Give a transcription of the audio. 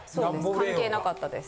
関係なかったです。